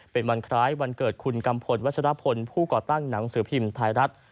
เป็นวันคล้ายวันเกิดคุณกัมพลวัชรพลผู้ก่อตั้งหนังสือพิมพ์ไทยรัฐ